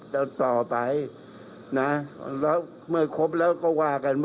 หรืออีก๒ปีก็นุ่มต้องขึ้นต่อเลย